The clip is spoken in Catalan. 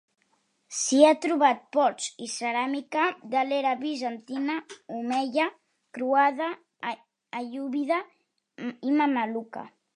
S'hi ha trobat pots i ceràmica de l'era bizantina, omeia, croada-aiúbida i mameluca.